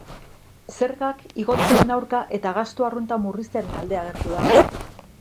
Zergak igotzearen aurka eta gastu arrunta murriztearen alde agertu da.